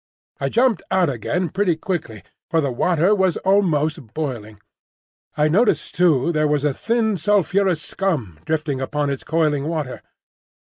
I jumped out again pretty quickly, for the water was almost boiling. I noticed too there was a thin sulphurous scum drifting upon its coiling water.